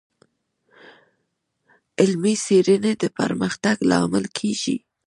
علمي سپړنې د پرمختګ لامل کېږي.